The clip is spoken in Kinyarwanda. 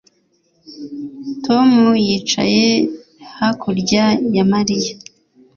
Tom yicaye hakurya ya Mariya